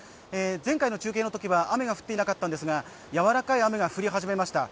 前回の中継の時は雨は降っていなかったんですがやわらかい雨が降り始めました。